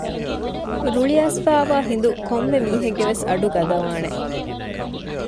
ރުޅިއައިސްފައިވާ ހިނދު ކޮންމެ މީހެއްގެވެސް އަޑު ގަދަވާނެ